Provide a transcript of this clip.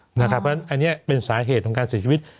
เพราะฉะนั้นอันนี้เป็นสาเหตุของการเสียชีวิต